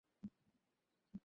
কহিল, আমি ভাই কে।